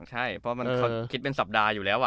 ใช่เพราะมันคิดเป็นสัปดาห์อยู่แล้ว